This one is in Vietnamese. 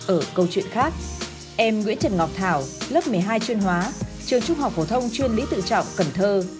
ở câu chuyện khác em nguyễn trần ngọc thảo lớp một mươi hai chuyên hóa trường trung học phổ thông chuyên lý tự trọng cần thơ